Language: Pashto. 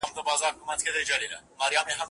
چي یې تښتي له هیبته لور په لور توري لښکري